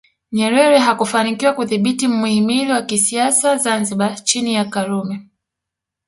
Nyerere hakufanikiwa kudhibiti mhimili wa kisiasa Zanzibar chini ya Karume